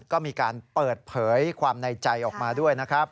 ก็มีการเปิดเผยความในใจออกมาด้วยนะครับ